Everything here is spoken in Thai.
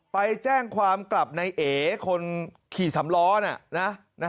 ไปแจ้งความกลับในเอคนขี่สำล้อ